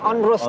onrus tipe ya